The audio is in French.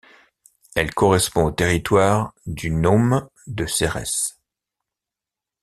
Elle correspond au territoire du nome de Serrès.